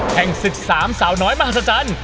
แห่งศึกสามสาวน้อยมหัศจรรย์